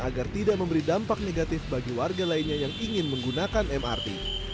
agar tidak memberi dampak negatif bagi warga lainnya yang ingin menggunakan mrt